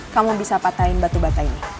kamu bisa patahin batu batanya